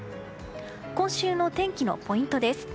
今週の天気のポイントです。